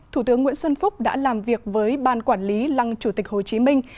thủ tướng nguyễn xuân phúc đã làm việc với ban quản lý lăng chủ tịch hồ chí minh